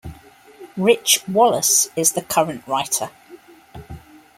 Rich Wallace is the current writer.